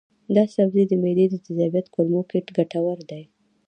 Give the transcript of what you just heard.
دا سبزی د معدې د تیزابیت کمولو کې ګټور دی.